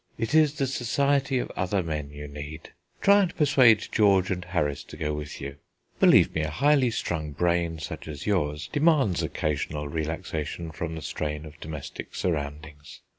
It is the society of other men you need. Try and persuade George and Harris to go with you. Believe me, a highly strung brain such as yours demands occasional relaxation from the strain of domestic surroundings.